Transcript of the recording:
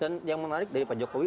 dan yang menarik dari pak jokowi